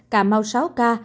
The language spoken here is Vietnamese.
cà mau sáu ca